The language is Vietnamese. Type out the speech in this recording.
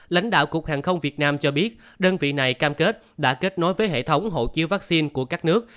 lãnh đạo cục hàng không việt nam cho biết đơn vị này cam kết đã kết nối với hệ thống hộ chiếu vaccine của các nước